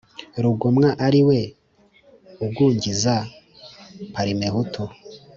Rugomwa ari we ugungiza Parimehutu